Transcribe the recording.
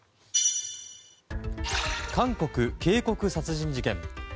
韓国、渓谷殺人事件。